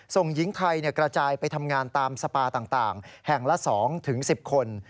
ส่งหญิงไทยกระจายไปทำงานตามสปาต่างแห่งละ๒๑๐คน